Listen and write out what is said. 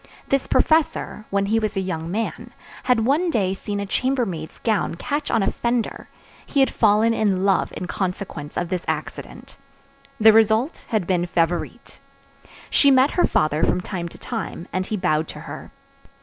This professor, when he was a young man, had one day seen a chambermaid's gown catch on a fender; he had fallen in love in consequence of this accident. The result had been Favourite. She met her father from time to time, and he bowed to her.